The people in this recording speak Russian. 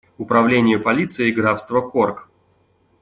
Управление полицией графства Корк.